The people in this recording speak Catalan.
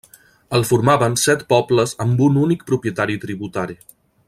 El formaven set pobles amb un únic propietari tributari.